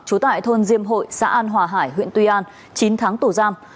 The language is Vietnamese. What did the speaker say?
trú tại thôn diêm hội xã an hòa hải huyện tuy an chín tháng tù giam